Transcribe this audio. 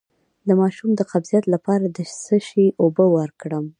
د ماشوم د قبضیت لپاره د څه شي اوبه ورکړم؟